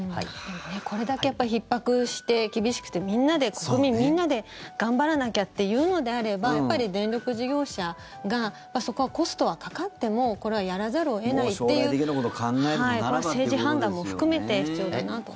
これだけひっ迫して厳しくて国民みんなで頑張らなきゃっていうのであればやっぱり電力事業者がそこはコストはかかってもこれはやらざるを得ないっていう政治判断も含めて必要だなと。